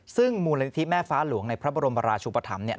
ซึ่งมูลนิทริปแม่ฟ้าหลวงในพระบรมราชูปฐำ